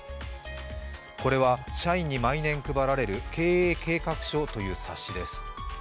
これは社員に毎年配られる経営計画書という冊子です。